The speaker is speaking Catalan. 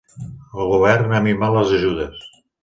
El Govern ha minvat les ajudes.